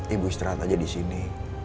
ibu istirahat aja di sini